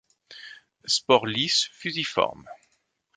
Spores lisses, fusiforme.